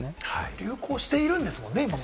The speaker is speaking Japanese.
流行しているんですもんね、今。